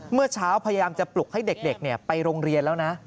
เมื่อเช้าพยายามจะปลุกให้เด็กไปโรงเรียนแล้วนะ